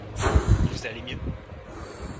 Vous allez mieux ?